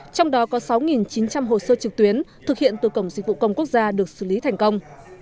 trong đó có sáu chín trăm linh hồ sơ trực tuyến thực hiện từ cổng dịch vụ công quốc gia được xử lý thành công